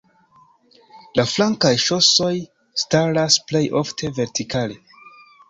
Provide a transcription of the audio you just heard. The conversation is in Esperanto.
La flankaj ŝosoj staras plej ofte vertikale.